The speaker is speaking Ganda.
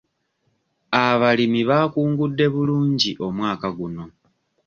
Abalimi baakungudde bulungi omwaka guno.